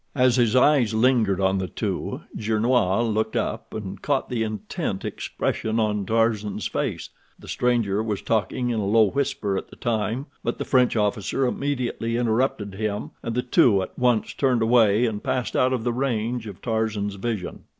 As his eyes lingered on the two, Gernois looked up and caught the intent expression on Tarzan's face. The stranger was talking in a low whisper at the time, but the French officer immediately interrupted him, and the two at once turned away and passed out of the range of Tarzan's vision.